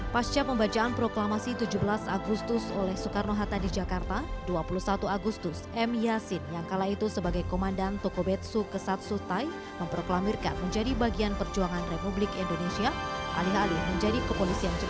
pasca pembacaan proklamasi tujuh belas agustus oleh soekarno hatta di jakarta dua puluh satu agustus m yasin yang kala itu sebagai komandan toko betsu kesatsutai memproklamirkan menjadi bagian perjuangan republik indonesia alih alih menjadi kepolisian jepang